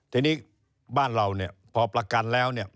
ทีนี้บ้านเราเนี่ยพอประกันแล้วเนี่ย